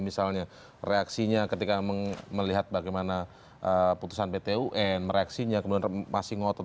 misalnya reaksinya ketika melihat bagaimana putusan pt un mereaksinya kemudian masih ngotot